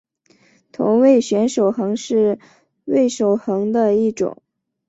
同位旋守恒是味守恒的一种。